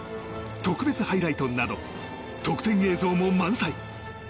特別ハイライトなど特典映像も満載。